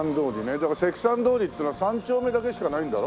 だから関三通りっていうのは三丁目だけしかないんだろ？